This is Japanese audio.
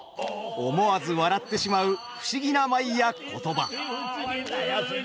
思わず笑ってしまう不思議な舞や言葉。